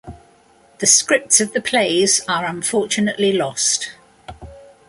The scripts of the plays are unfortunately lost.